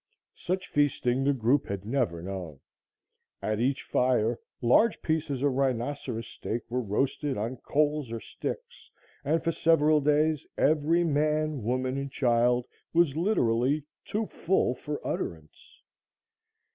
Such feasting the group had never known. At each fire, large pieces of rhinoceros steak were roasted on coals or sticks, and for several days, every man, woman and child was literally too full for utterance.